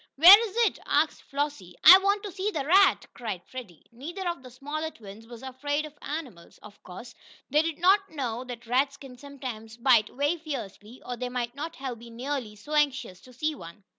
"Where is it?" asked Flossie. "I want to see the rat!" cried Freddie. Neither of the smaller twins was afraid of animals. Of course, they did not know that rats can sometimes bite very fiercely, or they might not have been nearly so anxious to see one.